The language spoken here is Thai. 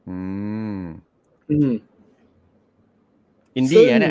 อืม